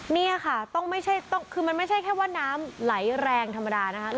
นี่ค่ะต้องไม่ใช่คือมันไม่ใช่แค่ว่าน้ำไหลแรงธรรมดานะคะ